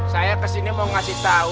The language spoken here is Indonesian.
saya kesini mau ngasih tahu